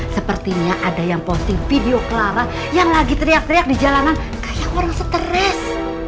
sepertinya ada yang posting video clara yang lagi teriak teriak di jalanan kayak orang stres